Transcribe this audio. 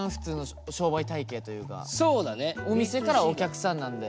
お店からお客さんなんで。